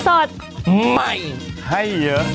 โปรดติดตามตอนต่อไป